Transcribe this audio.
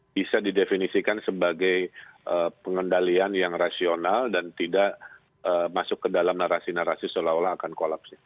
bisa didefinisikan sebagai pengendalian yang rasional dan tidak masuk ke dalam narasi narasi seolah olah akan kolaps